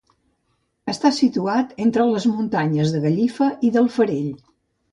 Està situat entre les muntanyes de Gallifa i del Farell.